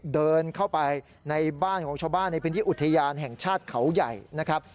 นี่นะครับคือเจ้างาทองเป็นช้างป่าเขาใหญ่นะฮะ